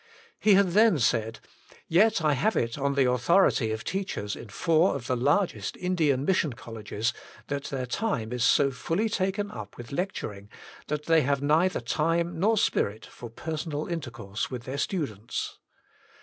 He had then said :" Yet I have it on the authority of teachers in four of the largest Indian Mission Colleges that their time is so fully taken up with lecturing that they have neither time nor spirit for personal intercourse with their students.